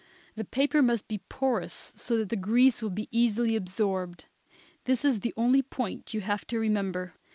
The paper must be porous so that the grease will be easily absorbed. That is the only point you have to remember.